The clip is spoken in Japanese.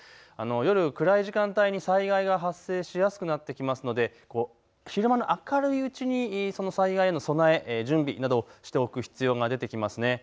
夜、暗い時間帯に災害が発生しやすくなってきますので昼間の明るいうちにその災害への備え、準備などをしておく必要が出てきます。